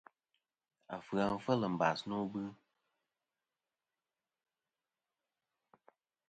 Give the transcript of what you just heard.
Afɨ-a fel mbas nô ajuŋ.